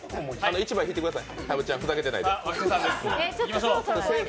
１枚、引いてください。